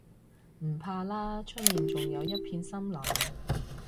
唔怕啦，出面仲有一片森林